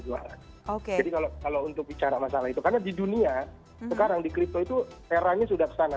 jadi kalau untuk bicara masalah itu karena di dunia sekarang di crypto itu era nya sudah kesana